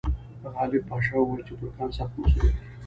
غالب پاشا وویل چې ترکان سخت مصروف دي.